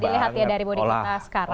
sudah bisa dilihat ya dari modik kita sekarang